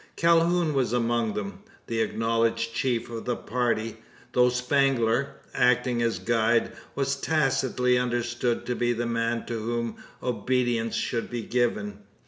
Calhoun was among them the acknowledged chief of the party; though Spangler, acting as guide, was tacitly understood to be the man to whom obedience should be given.